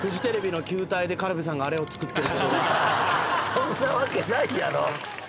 そんなわけないやろ。